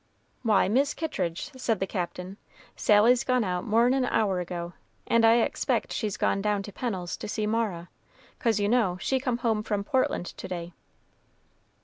"Why, Mis' Kittridge," said the Captain, "Sally's gone out more'n an hour ago, and I expect she's gone down to Pennel's to see Mara; 'cause, you know, she come home from Portland to day."